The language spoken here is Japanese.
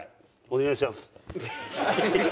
お願いします。